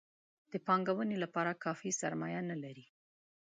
د پانګونې لپاره کافي سرمایه نه لري.